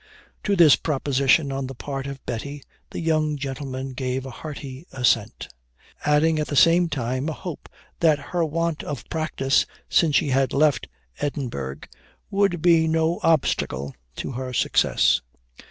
To this proposition on the part of Betty the young gentleman gave a hearty assent; adding, at the same time, a hope that her want of practice since she left Edinburgh would be no obstacle to her success.